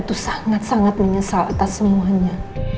itu sangat sangat menyesal atas semuanya